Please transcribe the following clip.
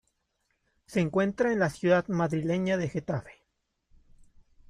Se encuentra en la ciudad madrileña de Getafe.